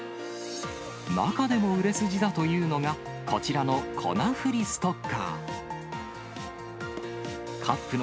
中でも売れ筋だというのが、こちらの粉振りストッカー。